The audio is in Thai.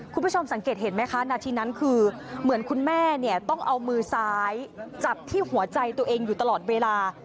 คุณผู้ชมสังเกตเห็นไหมคะนาทีนั้นคือเหมือนคุณแม่เนี่ยต้องเอามือซ้ายจับที่หัวใจตัวเองอยู่ตลอดเวลา